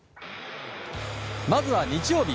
まずは日曜日。